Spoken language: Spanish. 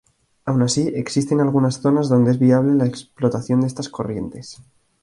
Aun así, existen algunas zonas donde es viable la explotación de estas corrientes.